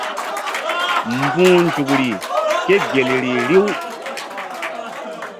Mbu̧h nzukri ke gel ri riw.